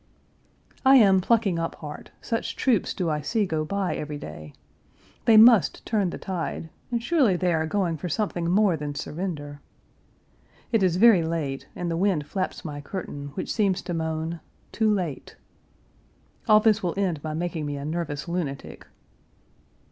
I am plucking up heart, such troops do I see go by every day. They must turn the tide, and surely they are going for something more than surrender. It is very late, and the wind flaps my curtain, which seems to moan, "Too late." All this will end by making me a nervous lunatic.